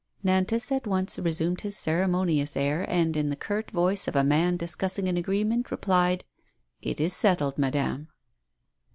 Nantas at once resumed his ceremonious air, and, in the curt voice of a man discussing an agreement, replied: "It is settled, madame."